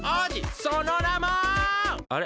そのなもあれ？